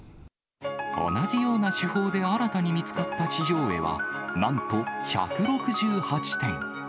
同じような手法で新たに見つかった地上絵は、なんと１６８点。